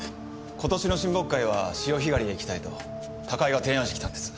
今年の親睦会は潮干狩りへ行きたいと高井が提案してきたんです。